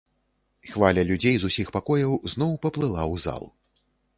Хваля людзей з усіх пакояў зноў паплыла ў зал.